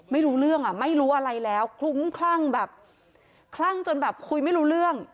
ไม่รู้เรื่องอ่ะไม่รู้อะไรแล้วคลุ้มคลั่งแบบคลั่งจนแบบคุยไม่รู้เรื่อง